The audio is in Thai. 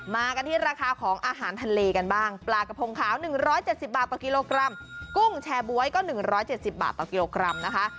มากันที่ราคาของอาหารทะเลกันบ้างปลากระพงขาว๑๗๐บาทต่อกิโลกรัมกุ้งแชร์บ๊วยก็๑๗๐บาทต่อกิโลกรัมนะคะ